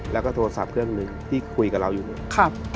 แล้วก็โทรศัพท์เครื่องหนึ่งที่คุยกับเราอยู่เนี่ย